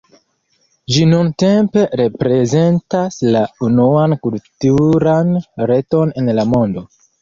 Ĝi nuntempe reprezentas la unuan kulturan reton en la mondo.